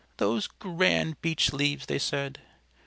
"Those grand Beech Leaves!" they said.